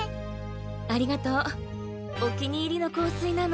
ありがとお気に入りの香水なの。